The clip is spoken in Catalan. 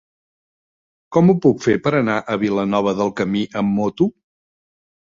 Com ho puc fer per anar a Vilanova del Camí amb moto?